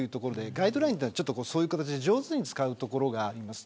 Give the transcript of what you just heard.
ガイドラインはそうやって上手に使うところがあります。